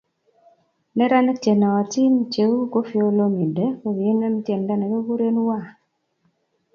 Neranik che nootin cheu Koffi Olomide kokiinem tiendo nekikuren waah